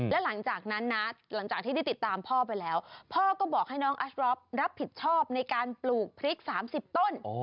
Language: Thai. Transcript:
และหลังจากนั้นนะหลังจากที่ได้ติดตามพ่อไปแล้วพ่อก็บอกให้น้องอัสรอฟรับผิดชอบในการปลูกพริก๓๐ต้น